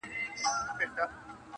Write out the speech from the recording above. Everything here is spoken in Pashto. د جرگې ټولو ښاغلو موږكانو.!